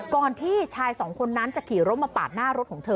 ก่อนที่ชายสองคนนั้นจะขี่รถมาปาดหน้ารถของเธอ